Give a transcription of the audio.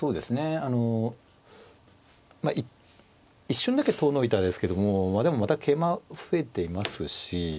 あの一瞬だけ遠のいたですけどもでもまた桂馬増えていますしうん。